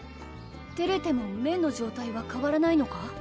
てれても麺の状態はかわらないのか？